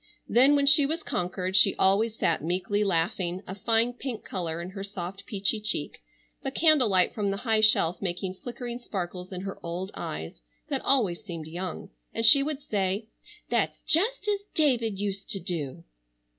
Then when she was conquered she always sat meekly laughing, a fine pink color in her soft peachy cheek, the candle light from the high shelf making flickering sparkles in her old eyes that always seemed young; and she would say: "That's just as David used to do."